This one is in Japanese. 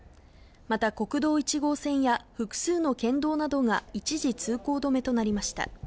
また国道１号線や複数の県道などが一時通行止めとなりました。